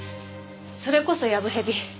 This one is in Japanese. それこそやぶ蛇。